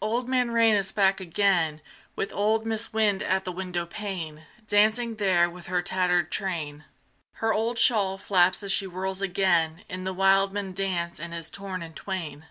Old Man Rain is back again, With old Mis' Wind at the windowpane, Dancing there with her tattered train: Her old shawl flaps as she whirls again In the wildman dance and is torn in twain.